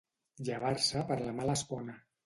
Llevar-se per la mala espona.